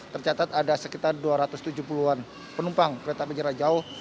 tercatat ada sekitar dua ratus tujuh puluh an penumpang kereta penjara jauh